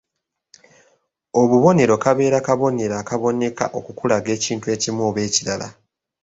Obubonero kabeera kabonero akaboneka okukulaga ekintu ekimu oba ekirala.